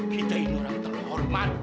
kita ini orang terhormat